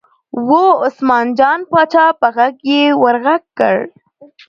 وه عثمان جان پاچا په غږ یې ور غږ کړل.